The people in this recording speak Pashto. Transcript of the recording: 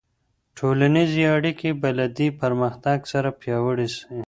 ټولنیزې اړیکې به له دې پرمختګ سره پیاوړې سي.